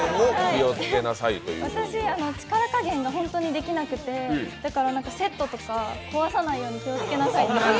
私、力加減が本当にできなくてセットとか壊さないように気をつけなさいって。